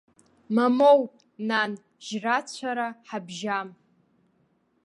Мамоу, нан, жьрацәара ҳабжьам.